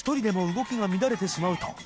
動きが乱れてしまうと．